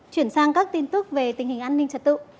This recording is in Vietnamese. chuyển sang các tin tức về tình hình an ninh trật tự